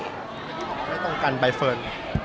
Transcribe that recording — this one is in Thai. ก็ไม่ตรงกันไปเฟิร์ส